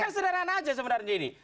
kan sederhana aja sebenarnya ini